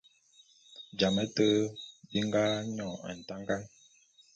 Jame te bi nga nyon ntangan.